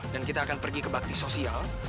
dan kita akan pergi ke bakti sosial